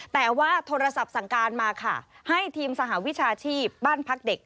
แต่ว่าโทรศัพท์สั่งการมาค่ะให้ทีมสหวิชาชีพบ้านพักเด็ก